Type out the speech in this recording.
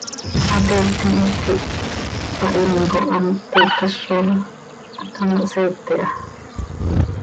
Hateiictim hipquih hpahinco, hant toii cazoj hac ano hseete aha.